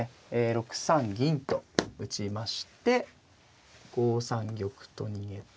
６三銀と打ちまして５三玉と逃げて。